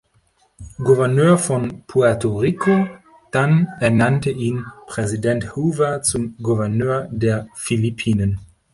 Gouverneur von Puerto Rico, dann ernannte ihn Präsident Hoover zum Gouverneur der Philippinen.